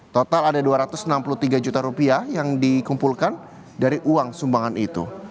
total ada dua ratus enam puluh tiga juta rupiah yang dikumpulkan dari uang sumbangan itu